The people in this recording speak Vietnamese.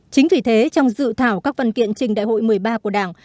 chính vì thế trong dự thảo các văn kiện trình đại hội một mươi ba của đảng